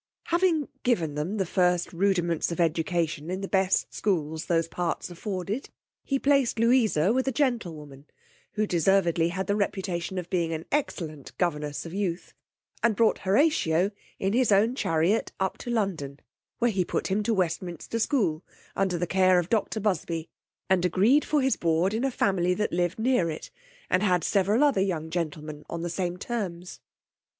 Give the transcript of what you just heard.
Having given them the first rudiments of education in the best schools those parts afforded, he placed Louisa with a gentlewoman, who deservedly had the reputation of being an excellent governess of youth, and brought Horatio in his own chariot up to London, where he put him to Westminster School, under the care of doctor Busby, and agreed for his board in a family that lived near it, and had several other young gentlemen on the same terms.